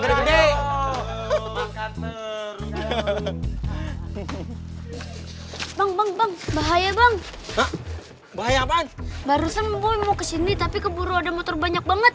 bang bang bang bahaya bang bahaya bang barusan mau kesini tapi keburu ada motor banyak banget